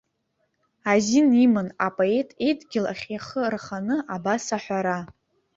Азин иман апоет идгьыл ахь ихы рханы абас аҳәара.